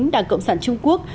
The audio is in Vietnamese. đảng cộng sản trung quốc